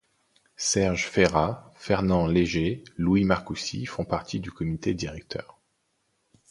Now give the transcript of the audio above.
Serge Férat, Fernand Léger, Louis Marcoussis, font partie du comité directeur.